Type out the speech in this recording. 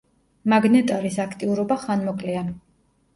მაგნეტარის აქტიურობა ხანმოკლეა.